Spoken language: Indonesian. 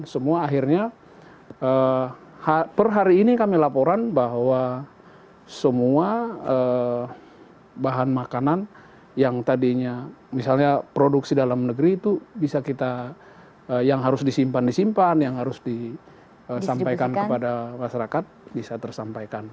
semua akhirnya per hari ini kami laporan bahwa semua bahan makanan yang tadinya misalnya produksi dalam negeri itu bisa kita yang harus disimpan disimpan yang harus disampaikan kepada masyarakat bisa tersampaikan